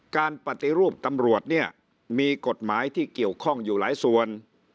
การปฏิรูปตำรวจเนี่ยมีกฎหมายที่เกี่ยวข้องอยู่หลายส่วน